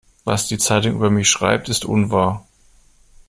Was die Zeitung über mich schreibt, ist unwahr.